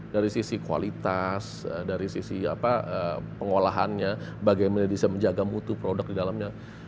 dari sisi kualitas dari sisi pengolahannya bagaimana bisa menjaga mutu produk di dalamnya